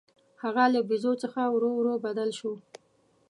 هغه له بیزو څخه ورو ورو بدل شو.